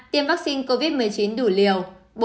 ba tiêm vaccine covid một mươi chín đủ liều